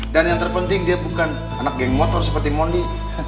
dan yang terpenting dia bukan anak geng motor seperti mondi